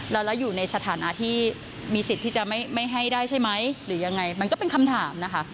แล้วอยู่ในสถานะที่มีสิทธิ์ที่จะไม่ให้ได้ใช่ไหมหรือยังไงมันก็เป็นคำถามนะคะ